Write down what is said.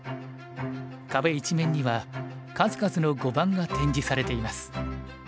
壁一面には数々の碁盤が展示されています。